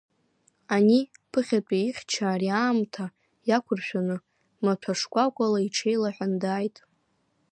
Ани ԥыхьатәи ихьча ари аамҭа иақәыршәаны маҭәа шкәакәала иҽеилаҳәан дааит.